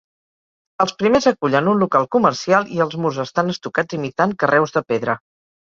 Els primers acullen un local comercial i els murs estan estucats imitant carreus de pedra.